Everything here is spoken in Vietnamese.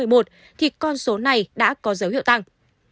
số ca tử vong đã có dấu hiệu tăng